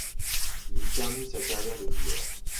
Il y termine sa carrière de joueur.